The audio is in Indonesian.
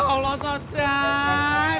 ya allah cocak